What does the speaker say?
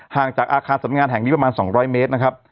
จากอาคารสำงานแห่งนี้ประมาณ๒๐๐เมตรนะครับ